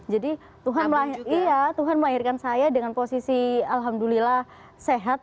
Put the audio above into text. jadi tuhan melahirkan saya dengan posisi alhamdulillah sehat